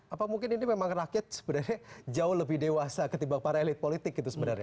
apa mungkin ini memang rakyat sebenarnya jauh lebih dewasa ketimbang para elit politik gitu sebenarnya